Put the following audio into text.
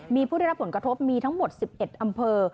มีผู้ได้รับผลกระทบมีทั้งหมด๑๑อำเภอ